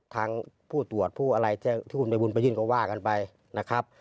ทางผู้ตรวจผู้อะไรที่คุณไปบุญไปยื่นก็ว่ากันไปนะครับ